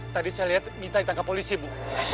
tadi saya liat mita ditangkap polisi bu